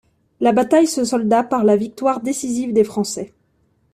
La bataille se solda par la victoire décisive des Français.